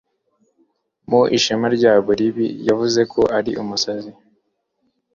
mu ishema ryabo ribi yavuze ko yari umusazi